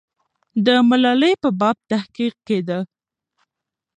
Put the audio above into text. د ملالۍ په باب تحقیق کېده.